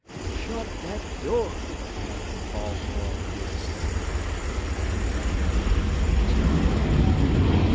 "Shut that doo er!" bawled Morel furiously. Annie banged it behind her, and was gone.